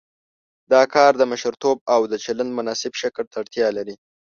دا کار د مشرتوب او د چلند مناسب شکل ته اړتیا لري.